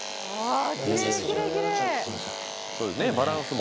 あ。